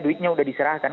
duitnya sudah diserahkan